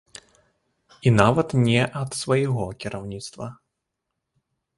І нават не ад свайго кіраўніцтва.